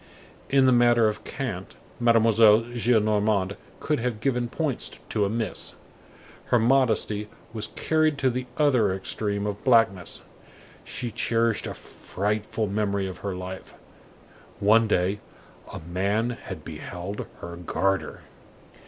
In the matter of cant, Mademoiselle Gillenormand could have given points to a miss. Her modesty was carried to the other extreme of blackness. She cherished a frightful memory of her life; one day, a man had beheld her garter.